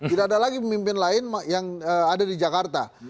tidak ada lagi pemimpin lain yang ada di jakarta